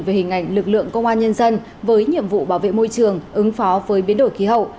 về hình ảnh lực lượng công an nhân dân với nhiệm vụ bảo vệ môi trường ứng phó với biến đổi khí hậu